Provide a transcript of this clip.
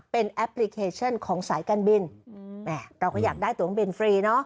เป็นแอปพลิเคชันของสายการบินเราก็อยากได้ตัวเครื่องบินฟรีเนอะ